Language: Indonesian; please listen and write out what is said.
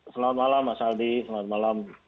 selamat malam mas aldi selamat malam